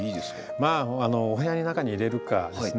まあお部屋の中に入れるかですね。